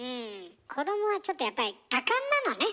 子どもはちょっとやっぱり多感なのね。